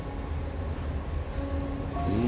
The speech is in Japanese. うん。